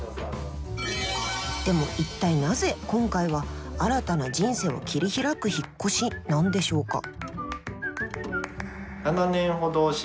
でも一体なぜ今回は新たな人生を切り開く引っ越しなんでしょうか？